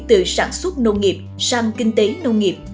từ sản xuất nông nghiệp sang kinh tế nông nghiệp